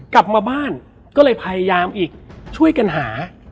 กลับมาบ้านก็เลยพยายามอีกช่วยกันหา